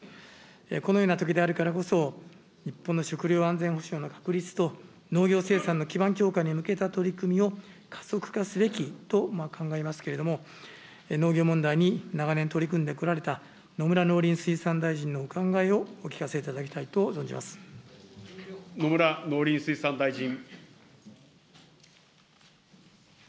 このようなときであるからこそ、日本の食料安全保障の確立と、農業生産の基盤強化に向けた取り組みを加速化すべきと考えますけれども、農業問題に長年取り組んでこられた野村農林水産大臣のお考えをお野村農林水産大臣。